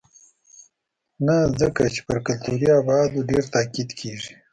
نه ځکه چې پر کلتوري ابعادو ډېر تاکید کېږي.